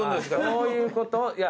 そういうこと？